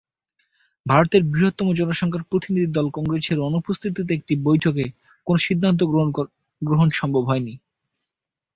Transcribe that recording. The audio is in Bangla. ভারতের বৃহত্তম জনসংখ্যার প্রতিনিধি দল কংগ্রেসের অনুপস্থিতিতে এই বৈঠকে কোনো সিদ্ধান্ত গ্রহণ সম্ভব হয়নি।